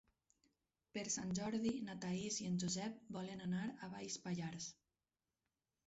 Per Sant Jordi na Thaís i en Josep volen anar a Baix Pallars.